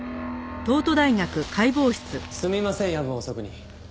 すみません夜分遅くに。